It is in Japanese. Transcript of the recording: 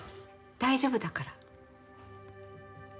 大丈夫だから。